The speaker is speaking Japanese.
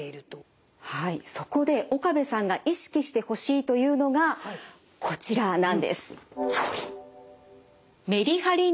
はいそこで岡部さんが意識してほしいというのがこちらなんです。